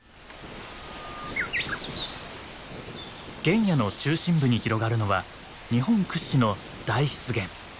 原野の中心部に広がるのは日本屈指の大湿原。